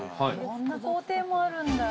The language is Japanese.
こんな工程もあるんだ。